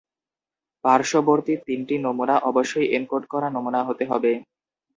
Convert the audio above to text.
পার্শ্ববর্তী তিনটি নমুনা অবশ্যই এনকোড করা নমুনা হতে হবে।